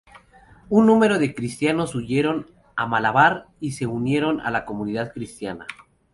Un número de cristianos huyeron a Malabar y se unieron a la comunidad cristiana.